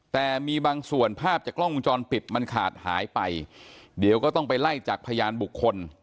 แต่มีบางส่วนภาพจากกล้องวงจรปิดมันขาดหายไปเดี๋ยวก็ต้องไปไล่จากพยานบุคคล